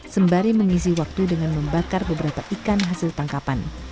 sembari mengisi waktu dengan membakar beberapa ikan hasil tangkapan